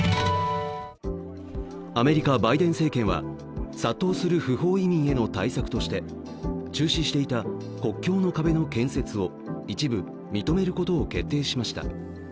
アメリカ・バイデン政権は殺到する不法移民への対策として中止していた国境の壁の建設を一部認めることを決定しました。